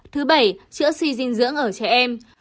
thứ bảy chữa si dinh dưỡng ở trẻ em